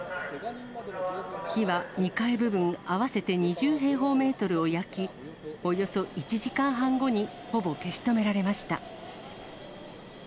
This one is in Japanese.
火は２階部分合わせて２０平方メートルを焼き、およそ１時間半後にほぼ消し止められました。